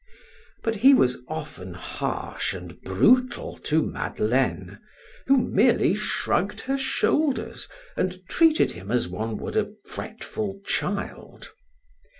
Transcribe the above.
But he was often harsh and brutal to Madeleine, who merely shrugged her shoulders and treated him as one would a fretful child.